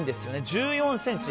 １４ｃｍ。